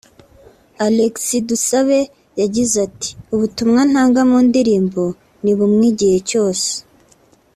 Alexis Dusabe yagize ati’’ Ubutumwa ntanga mu ndirimbo ni bumwe igihe cyose